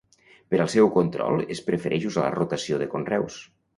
Per al seu control es prefereix usar la rotació de conreus.